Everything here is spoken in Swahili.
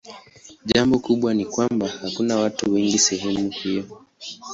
Jambo kubwa ni kwamba hakuna watu wengi sehemu hiyo.